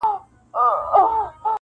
سپوږمۍ مو لاري څاري پیغامونه تښتوي-